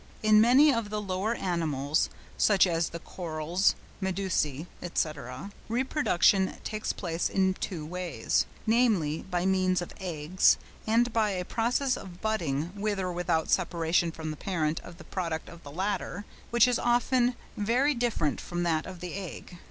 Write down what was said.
—In many of the lower animals (such as the Corals, Medusæ, &c.) reproduction takes place in two ways, namely, by means of eggs and by a process of budding with or without separation from the parent of the product of the latter, which is often very different from that of the egg.